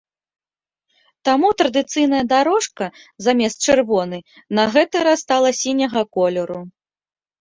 Таму традыцыйная дарожка замест чырвонай на гэты раз стала сіняга колеру.